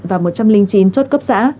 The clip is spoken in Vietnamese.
và một trăm linh chín chốt cấp xã